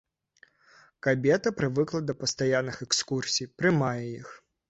Кабета прывыкла да пастаянных экскурсій, прымае іх.